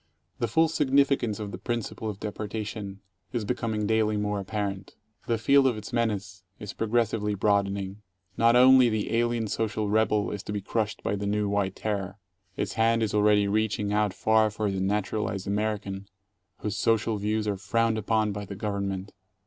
The full significance of the principle of deportation is becoming daily more apparent. The field of its menace is progressively broadening. Not only the alien social rebel is to be crushed by the new White Terror. Its hand is already reaching out far for the naturalized American whose social views are frowned upon by the Government.